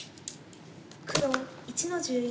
黒１の十一。